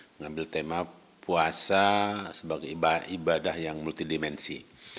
mengambil tema puasa sebagai ibadah yang multidimensi